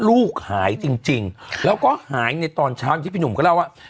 ลูกหายจริงแล้วก็หายในตอนเช้าอย่างที่พี่หนุ่มก็เล่าว่า